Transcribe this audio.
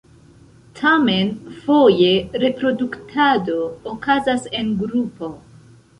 Tamen foje reproduktado okazas en grupo.